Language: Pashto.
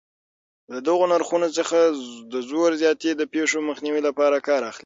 له دغو نرخونو څخه د زور زیاتي د پېښو مخنیوي لپاره کار اخلي.